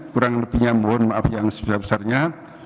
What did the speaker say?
kurang lebihnya mohon maaf yang sebesar besarnya